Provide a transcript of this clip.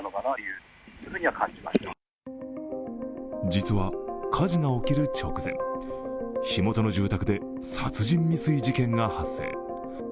実は、火事が起きる直前火元の住宅で殺人未遂事件が発生。